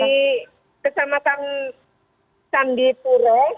kalau di kecamatan sandipuro